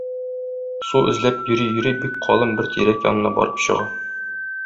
Су эзләп йөри-йөри бик калын бер тирәк янына барып чыга.